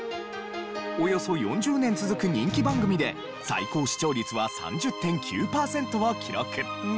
およそ４０年続く人気番組で最高視聴率は３０．９パーセントを記録。